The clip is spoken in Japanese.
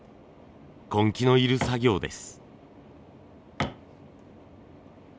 根気のいる作業です。